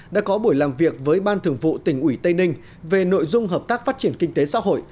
đã có buổi làm việc với ban thường vụ tỉnh ủy tây ninh về nội dung hợp tác phát triển kinh tế xã hội